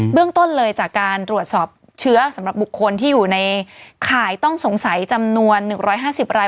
เรื่องต้นเลยจากการตรวจสอบเชื้อสำหรับบุคคลที่อยู่ในข่ายต้องสงสัยจำนวน๑๕๐ราย